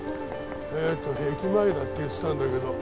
えっと駅前だって言ってたんだけど。